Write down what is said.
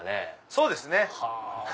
そうですね。